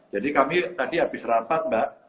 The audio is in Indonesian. jadi kami tadi habis rapat mbak